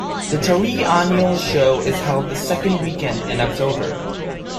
The Taree Annual Show is held the second weekend in October.